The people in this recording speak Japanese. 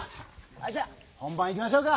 じゃあ本ばんいきましょうか。